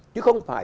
chứ không phải